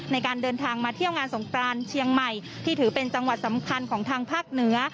ในการเดินทางมาเที่ยวงานสงกรานเชียงใหม่ที่ถือเป็นจังหวัดสำคัญของทางภาคเหนือ